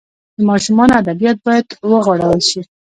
د ماشومانو ادبیات باید وغوړول سي.